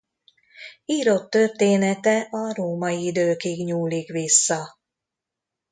Írott története a római időkig nyúlik vissza.